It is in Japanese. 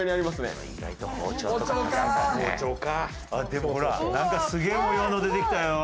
でもほらなんかすげえ模様の出てきたよ。